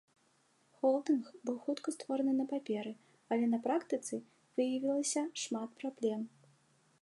Холдынг быў хутка створаны на паперы, але на практыцы выявілася шмат праблем.